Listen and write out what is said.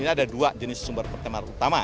ini ada dua jenis sumber pertemanan utama